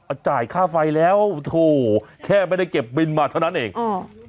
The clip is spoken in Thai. จ่ายค่าไฟแล้วโอ้โหแค่ไม่ได้เก็บบินมาเท่านั้นเองอ๋อ